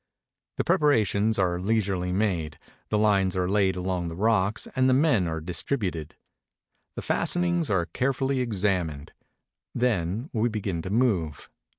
The preparations are leisurely made, the Hnes are laid along the rocks and the men are distributed. The fas tenings are carefully examined. Then we begin to move.